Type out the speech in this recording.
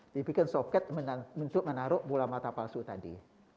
dibuat soket untuk menaruh bola mata palsu tadi